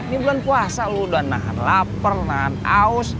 ini bulan puasa loh udah nahan lapar nahan aus